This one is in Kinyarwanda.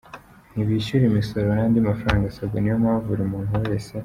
ntibishyura imisoro, n’andi mafaranga asabwa, niyo mpamvu buri muntu wese